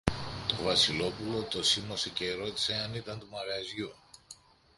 Το Βασιλόπουλο το σίμωσε και ρώτησε αν ήταν του μαγαζιού.